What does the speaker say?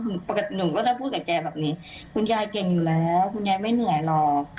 คือปกติหนุ่มก็จะพูดกับแกแบบนี้คุณยายเก่งอยู่แล้วคุณยายไม่เหนื่อยหรอก